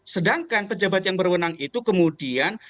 sedangkan pejabat yang berwenang itu kemudian